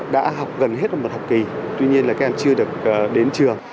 đã học gần hết vào một học kỳ tuy nhiên là các em chưa được đến trường